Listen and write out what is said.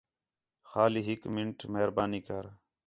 خالی ہُِک مِنٹ مہربانی کر